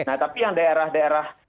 nah tapi yang daerah daerah